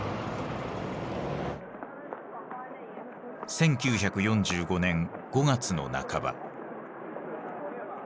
１９４５年５月の半ば。